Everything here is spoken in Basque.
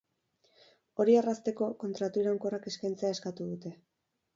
Hori errazteko, kontratu iraunkorrak eskaintzea eskatu dute.